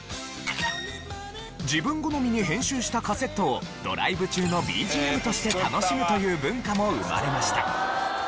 自分好みに編集したカセットをドライブ中のＢＧＭとして楽しむという文化も生まれました。